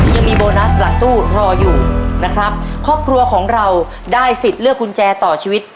โบนัสหลังตู้รออยู่นะครับครอบครัวของเราได้สิทธิ์เลือกกุญแจต่อชีวิต